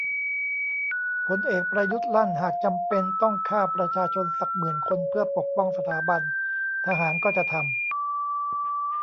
พลเอกประยุทธ์ลั่นหากจำเป็นต้องฆ่าประชาชนสักหมื่นคนเพื่อปกป้องสถาบัน"ทหารก็จะทำ"